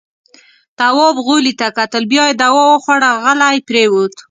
تواب غولي ته کتل. بيا يې دوا وخوړه، غلی پرېووت.